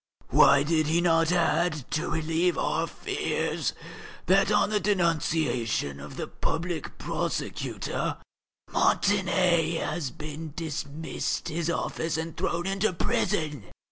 Why did he not add, to relieve our fears, that on the denunciation of the Public Prosecutor, Montané has been dismissed his office and thrown into prison?...